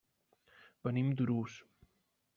Venim d'Urús.